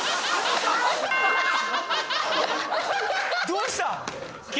どうした？